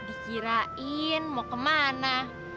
dikirain mau kemana